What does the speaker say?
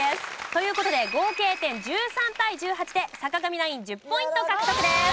という事で合計点１３対１８で坂上ナイン１０ポイント獲得です。